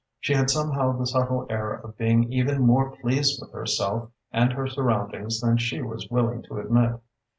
She had somehow the subtle air of being even more pleased with herself and her surroundings than she was willing to admit.